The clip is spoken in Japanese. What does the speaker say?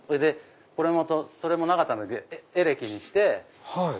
これもなかったのでエレキにして。